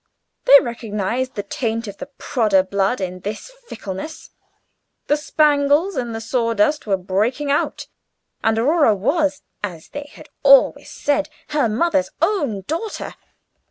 They recognized the taint of the Prodder blood in this fickleness. The spangles and the sawdust were breaking out, and Aurora was, as they had always said, her mother's own daughter.